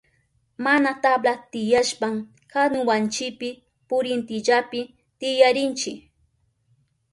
Mana tabla tiyashpan kanuwanchipi parintillapi tiyarinchi.